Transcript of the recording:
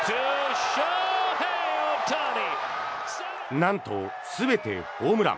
なんと、全てホームラン。